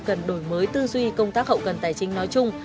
cần đổi mới tư duy công tác hậu cần tài chính nói chung